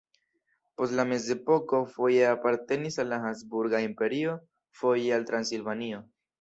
Post la mezepoko foje apartenis al Habsburga Imperio, foje al Transilvanio.